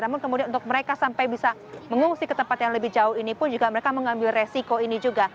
namun kemudian untuk mereka sampai bisa mengungsi ke tempat yang lebih jauh ini pun juga mereka mengambil resiko ini juga